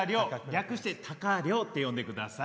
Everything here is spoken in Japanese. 略してたかりょうって呼んでください。